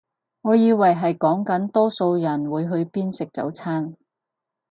我以為係講緊多數人會去邊食早餐